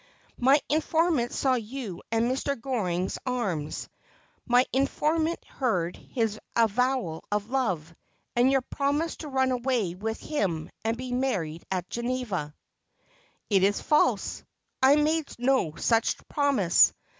' My informant saw you in Mr. Goring's arms ; my informant heard his avowal of love, and your promise to run away with him, and be married at Geneva.' ' It is false. I made no such promise.